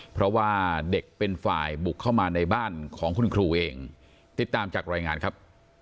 เพราะว่าเด็กเป็นฝ่ายบุกเข้ามาในบ้านของคุณครูเองติดตามจากรายงานครับ